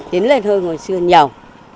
tiến lên hơn hồi xưa nhiều